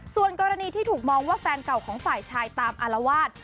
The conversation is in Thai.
ส่วนกรณีที่ถูกมองว่าแฟนเก่าของฝ่ายชายตามอารวาส